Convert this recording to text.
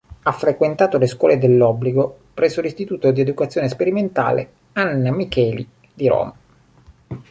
Ha frequentato le scuole dell’obbligo presso l'istituto d'educazione sperimentale Anna Micheli di Roma.